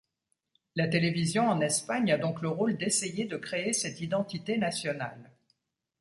La télévision en Espagne a donc le rôle d’essayer de créer cette identité nationale.